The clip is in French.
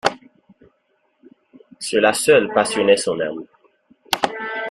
Cela seul passionnait son âme.